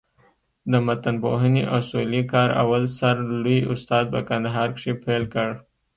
د متنپوهني اصولي کار اول سر لوى استاد په کندهار کښي پېل کړ.